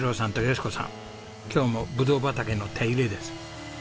今日もブドウ畑の手入れです。